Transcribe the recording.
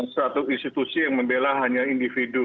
satu institusi yang membela hanya individu